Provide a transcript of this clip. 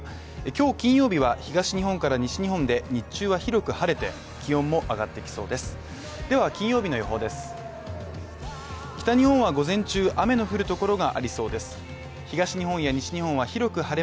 今日、金曜日は東日本から西日本で日中は広く晴れて気温も上がっていきそうです